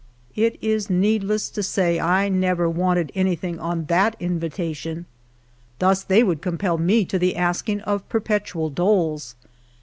It is needless to say I never wanted anything on that invitation. Thus they would compel me to; the asking of perpetual doles.